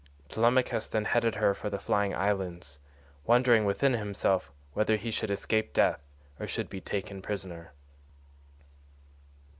Telemachus then headed her for the flying islands,132 wondering within himself whether he should escape death or should be taken prisoner.